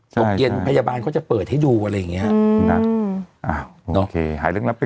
ตกเย็นพยาบาลเขาจะเปิดให้ดูอะไรอย่างเงี้ยอ่าโอเคหายเรื่องรับเป็น